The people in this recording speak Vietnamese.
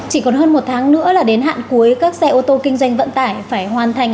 chỉ còn hơn một tháng nữa là đến hạn cuối các xe ô tô kinh doanh vận tải phải hoàn thành